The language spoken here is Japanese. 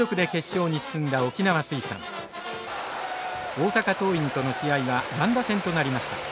大阪桐蔭との試合は乱打戦となりました。